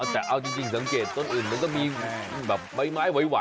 แต่เอาจริงสังเกตต้นอื่นมันก็มีแบบใบไม้ไหว